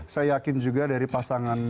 saya yakin juga dari pasangan